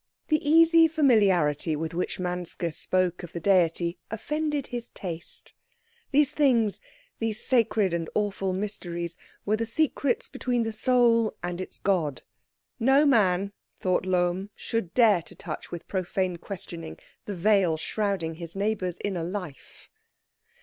The easy familiarity with which Manske spoke of the Deity offended his taste. These things, these sacred and awful mysteries, were the secrets between the soul and its God. No man, thought Lohm, should dare to touch with profane questioning the veil shrouding his neighbour's inner life.